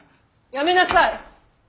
やめなさい！